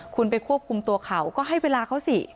คุณไปควบคุมตัวเขาก็ให้เวลาเขาสิ